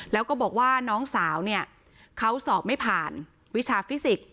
แล้วก็บอกว่าน้องสาวเนี่ยเขาสอบไม่ผ่านวิชาฟิสิกส์